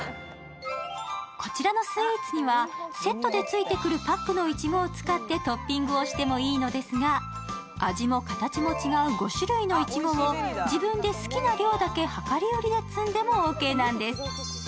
こちらのスイーツにはセットでついてくるパックのいちごを使ってトッピングをしてもいいのですが、味も形も違う５種類のいちごを自分で好きな量だけ量り売りで摘んでもオーケーなんです。